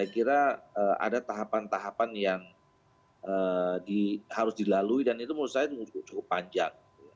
saya kira ada tahapan tahapan yang harus dilalui dan itu menurut saya cukup panjang